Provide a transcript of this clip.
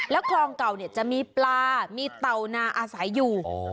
คลองเก่าจะมีปลามีเต่านาอาศัยอยู่